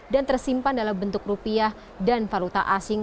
dan tersimpan dalam bentuk rupiah dan valuta asing